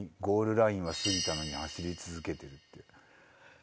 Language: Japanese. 「ゴールラインは過ぎたのに走り続けてる」って。